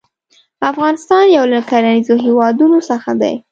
افغانستان يو له کرنيزو هيوادونو څخه دى.